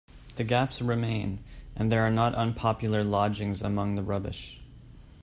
The gaps remain, and there are not unpopular lodgings among the rubbish.